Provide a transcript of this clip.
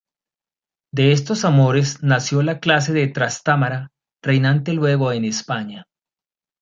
De estos amores, nació la casa de Trastámara, reinante luego en España.